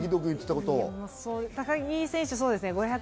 高木選手、そうですね。